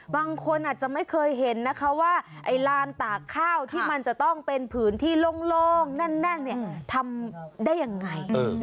บางคนอาจจะไม่เคยเห็นนะคะว่าไอ้ลานตากข้าวที่มันจะต้องเป็นพื้นที่โล่งแน่นเนี่ยทำได้ยังไง